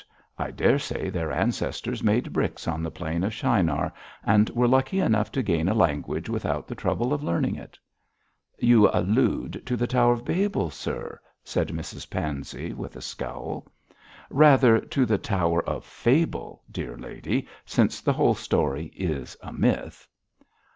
I daresay their ancestors made bricks on the plain of Shinar, and were lucky enough to gain a language without the trouble of learning it.' 'You allude to the Tower of Babel, sir!' said Mrs Pansey, with a scowl. 'Rather to the Tower of Fable, dear lady, since the whole story is a myth.'